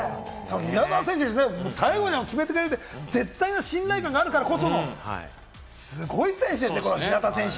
宮澤選手は最後、決めてくれるという絶対的な信頼があるからこそ、すごい選手ですね、ひなた選手。